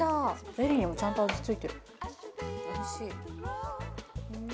ゼリーにもちゃんと味付いてる